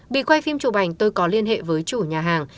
bị quay phim chụp ảnh tôi có liên hệ với chủ nhà hàng